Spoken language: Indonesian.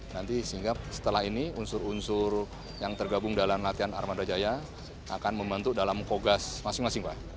nanti sehingga setelah ini unsur unsur yang tergabung dalam latihan armada jaya akan membentuk dalam kogas masing masing pak